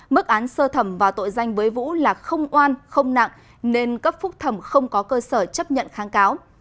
mức án sơ thẩm và tội danh với vũ là không oan không nặng nên cấp phúc thẩm không có cơ sở chấp nhận kháng cáo